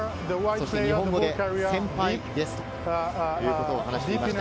日本語で先輩です、ということを話していました。